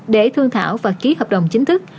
để thương thảo và ký hợp đồng chính thức